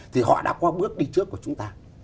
thì họ đã qua bước đi trước của chúng ta